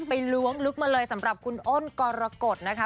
ล้วงลึกมาเลยสำหรับคุณอ้นกรกฎนะคะ